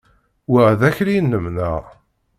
Wa d akli-inem, neɣ?